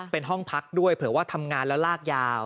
เป็นห้องพักด้วยเผื่อว่าทำงานแล้วลากยาว